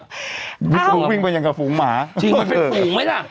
อ้าววิดูกวิ่งไปอย่างฝูงหมาฝูงไหมล่ะเอ้อ